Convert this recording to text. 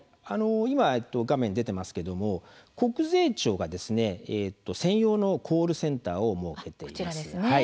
画面に出ていますが国税庁が専用のコールセンターを設けています。